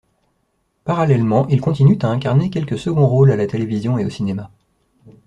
Parallèlement, il continue à incarner quelques seconds rôles à la télévision et au cinéma.